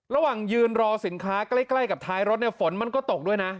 ระหว่างยืนรอสินค้าใกล้กับท้ายรถเนี่ยฝนมันก็ตกด้วยนะ